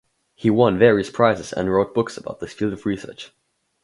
He won various prizes and wrote books about this field of research.